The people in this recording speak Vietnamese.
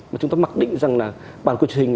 mà chúng ta mặc định rằng là bản quyền truyền hình